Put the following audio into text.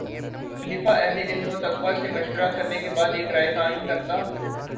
خلیفہ اہلِ علم و تقویٰ سے مشورہ کرنے کے بعد ایک رائے قائم کرتا